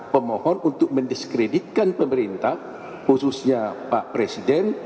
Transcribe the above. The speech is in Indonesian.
pemohon untuk mendiskreditkan pemerintah khususnya pak presiden